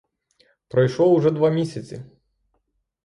Пройшло уже два місяці.